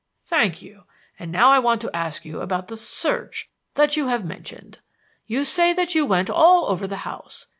"Thank you. And now I want to ask you about the search that you have mentioned. You say that you went all over the house.